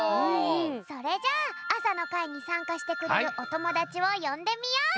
それじゃあ朝の会にさんかしてくれるおともだちをよんでみよう！